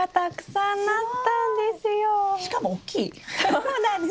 そうなんです。